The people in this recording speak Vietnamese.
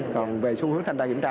còn về xu hướng thanh tra kiểm tra